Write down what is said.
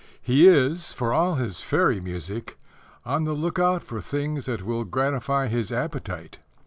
He is, for all his fairy music, on the look out for things that will gratify his appetite.